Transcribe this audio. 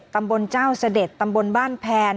ตำบลเจ้าเสด็จตำบลบ้านแพน